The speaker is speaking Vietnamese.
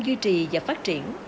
duy trì và phát triển